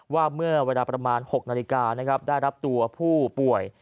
ว่าเมื่อประมาณ๖นาฬิกาได้รับตัวผู้ป่วย